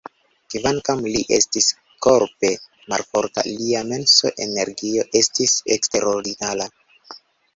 Kvankam li estis korpe malforta, lia mensa energio estis eksterordinara.